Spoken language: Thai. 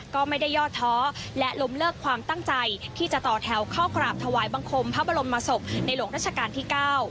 ก็ไม่ได้ย่อท้อและล้มเลิกความตั้งใจที่จะต่อแถวเข้ากราบถวายบังคมพระบรมศพในหลวงราชการที่๙